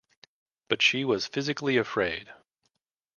But she was physically afraid.